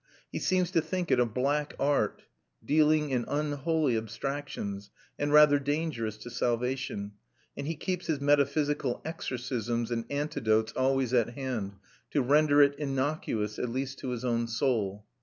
He seems to think it a black art, dealing in unholy abstractions, and rather dangerous to salvation, and he keeps his metaphysical exorcisms and antidotes always at hand, to render it innocuous, at least to his own soul.